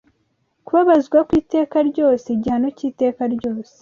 Kubabazwa kw’iteka ryose Igihano cy’iteka ryose